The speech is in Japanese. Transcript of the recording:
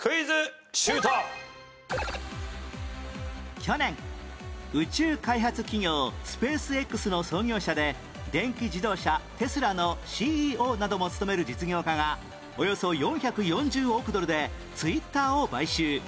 去年宇宙開発企業スペース Ｘ の創業者で電気自動車テスラの ＣＥＯ なども務める実業家がおよそ４４０億ドルで Ｔｗｉｔｔｅｒ を買収